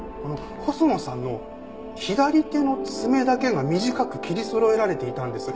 細野さんの左手の爪だけが短く切りそろえられていたんです。